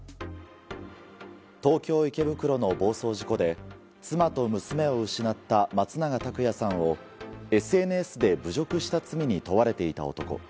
東京・池袋の暴走事故で妻と娘を失った松永拓也さんをＳＮＳで侮辱した罪に問われていた男。